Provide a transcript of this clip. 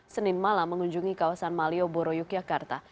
senin malam mengunjungi kawasan malioboro yogyakarta